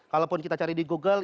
kalaupun kita cari di google